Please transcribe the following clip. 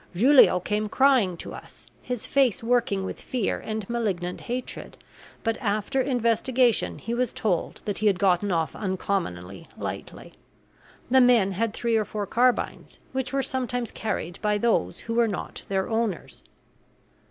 Julio came crying to us, his face working with fear and malignant hatred; but after investigation he was told that he had gotten off uncommonly lightly. The men had three or four carbines, which were sometimes carried by those who were not their owners.